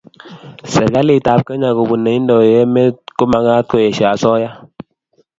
serikalit ab kenya kobun neindoi emet ko magat koesho asoya